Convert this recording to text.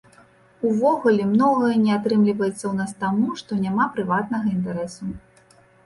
Увогуле, многае не атрымліваецца ў нас таму, што няма прыватнага інтарэсу.